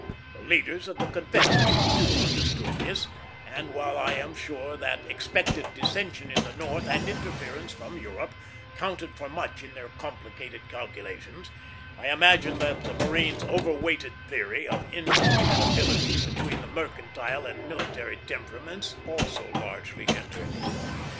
The leaders of the Confederacy, too, understood this; and while I am sure that expected dissension in the North, and interference from Europe, counted for much in their complicated calculations, I imagine that the marine's overweighted theory, of incompatibility between the mercantile and military temperaments, also entered largely.